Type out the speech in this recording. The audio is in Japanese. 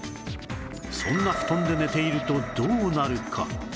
そんな布団で寝ているとどうなるか